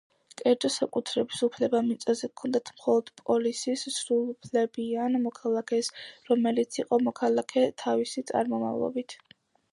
კერძო საკუთრების უფლება მიწაზე ჰქონდათ მხოლოდ პოლისის სრულუფლებიან მოქალაქეს, რომელიც იყო მოქალაქე თავისი წარმომავლობით.